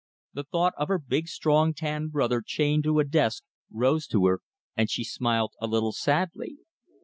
The thought of her big, strong, tanned brother chained to a desk rose to her, and she smiled a little sadly.